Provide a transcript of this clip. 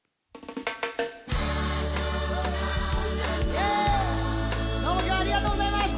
ニトリどうもきょうはありがとうございます！